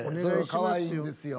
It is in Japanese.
かわいいんですよ。